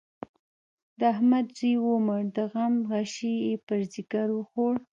د احمد زوی ومړ؛ د غم غشی يې پر ځيګر وخوړ.